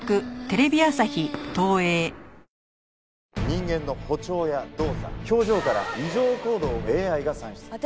人間の歩調や動作表情から異常行動をＡＩが算出。